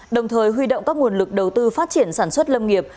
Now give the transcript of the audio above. đồng thời huy động các nguồn lực đầu tư phát triển sản xuất lâm nghiệp